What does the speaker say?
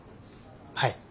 はい。